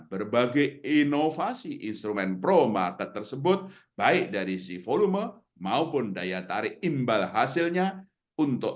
berbagai inovasi instrumen pro market tersebut baik dari si volume maupun daya tarik imbal hasilnya untuk